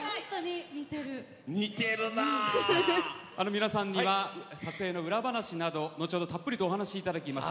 皆さんには撮影秘話など後ほどたっぷりお話いただきます。